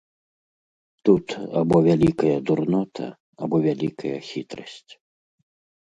Тут або вялікая дурнота, або вялікая хітрасць.